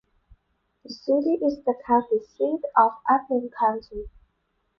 The city is the county seat of Appling County.